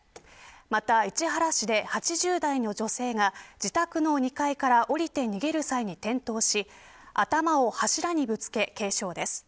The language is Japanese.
また市原市で、８０代の女性が自宅の２階から降りて逃げる際に転倒し頭を柱にぶつけ、軽傷です。